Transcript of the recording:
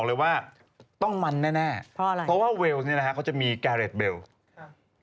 และสองคนนี้ว่าอยู่ในทีมเดียวกันด้วย